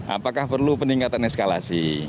apakah perlu peningkatan eskalasi